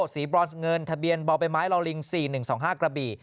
สีบรอนเงินทะเบียนบ่อใบไม้ลอลิง๔๑๒๕กระบี่